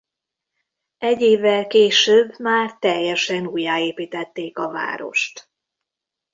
Egy évvel később már teljesen újjáépítették a várost.